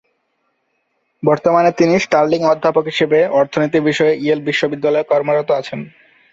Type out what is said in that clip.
বর্তমানে তিনি স্টার্লিং অধ্যাপক হিসেবে অর্থনীতি বিষয়ে ইয়েল বিশ্ববিদ্যালয়ে কর্মরত আছেন।